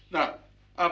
nah apalagi kamu